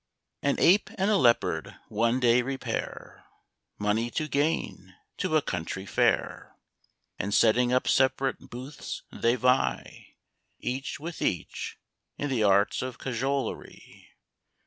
An Ape and a Leopard one day repair Money to gain to a country fair, And setting up separate booths they vie, Each with each, in the arts of cajolery.